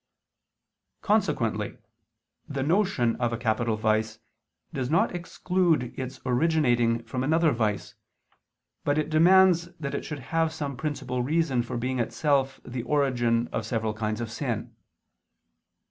Consequently the notion of a capital vice does not exclude its originating from another vice, but it demands that it should have some principal reason for being itself the origin of several kinds of sin.